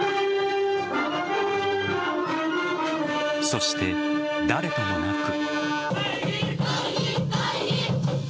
そして、誰ともなく。